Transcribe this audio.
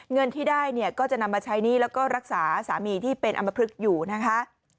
เงินที่ได้เนี่ยก็จะนำมาใช้หนี้แล้วก็รักษาสามีที่เป็นอำมพลึกอยู่นะคะ